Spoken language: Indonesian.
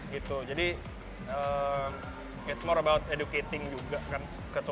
gitu jadi it s more about educating juga kan